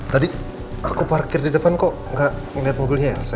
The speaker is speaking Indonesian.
tadi aku parkir di depan kok gak ngeliat mobilnya ya